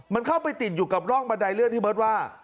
มันเข้าไปติดอยู่กับร่องบันไดเลื่อนที่เบิร์ตว่า